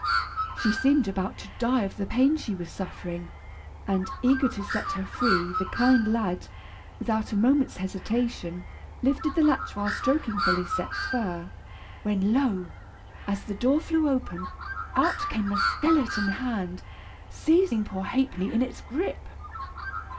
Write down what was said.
She seemed about to die of the pain she was suffering, and, eager to set her free, the kind lad, without a moment's hesitation, lifted the latch while stroking Félisette's fur, when lo! as the door flew open, out came a skeleton hand, seizing poor Ha'penny in its grip!